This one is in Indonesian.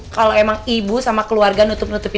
kalau emang ibu sama keluarga nutup nutupi